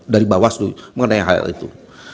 dari bawaslu mengenai hal hal itu